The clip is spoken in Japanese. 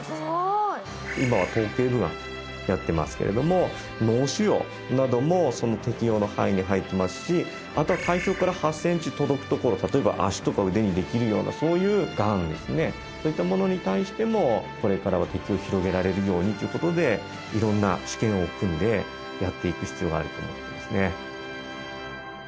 今は頭頸部がんやってますけれども脳腫瘍なども適応の範囲に入ってますしあとは体表から８センチ届くところ例えば足とか腕にできるようなそういうがんですねそういったものに対してもこれからは適応を広げられるようにということで色んな試験を組んでやっていく必要があると思ってますね